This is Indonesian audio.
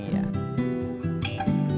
ketika menetas tukiknya sudah berubah